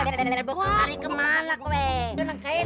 kita ngobot dari kejaran kambing bang